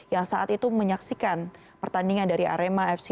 yang saat itu menyaksikan pertandingan dari arema fc